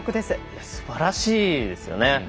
すばらしいですよね